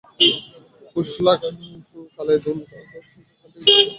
Push লাগানো কানের দুল অনেক সময় শিশুর কান থেকে খুলে যায়।